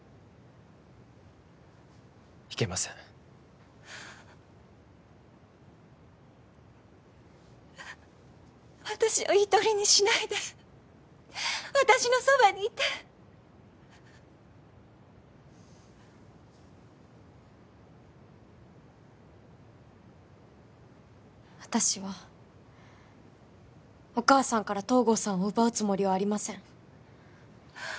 行けません私を一人にしないで私のそばにいて私はお義母さんから東郷さんを奪うつもりはありません